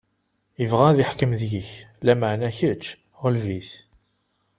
Ibɣa ad iḥkem deg-k, lameɛna, kečč ɣleb-it.